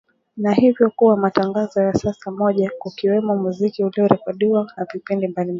Na hivyo kuwa matangazo ya saa moja kukiwemo muziki uliorekodiwa na vipindi mbalimbali kutokea mjini Monrovia, Liberia.